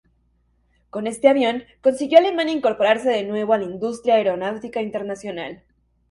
Con este avión consiguió Alemania incorporarse de nuevo a la industria aeronáutica internacional.